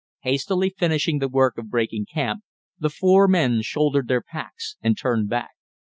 Hastily finishing the work of breaking camp, the four men shouldered their packs and turned back.